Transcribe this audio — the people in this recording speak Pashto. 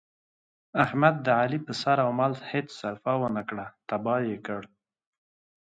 احمد د علي په سر او مال هېڅ سرفه ونه کړه، تیاه یې کړ.